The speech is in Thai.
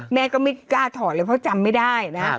แม่ก็ไม่กล้าถอดเลยเพราะจำไม่ได้นะ